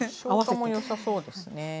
消化も良さそうですね。